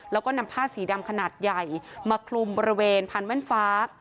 แล้วก็นำผ้าสีดำขนาดใหญ่มาคลุมบริเวณพันแว่นฟ้า